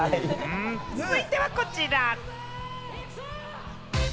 続いてはこちら。